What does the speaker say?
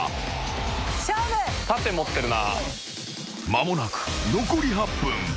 ［間もなく残り８分］